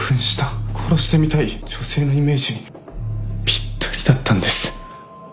殺してみたい女性のイメージにぴったりだったんです。